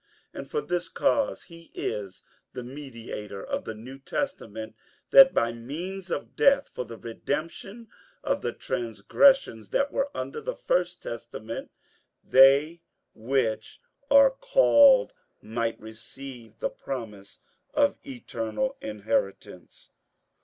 58:009:015 And for this cause he is the mediator of the new testament, that by means of death, for the redemption of the transgressions that were under the first testament, they which are called might receive the promise of eternal inheritance.